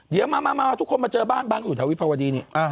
เดี๋ยวมาทุกคนมาเจอบ้านบ้านอยู่แถววิภาวดีนี่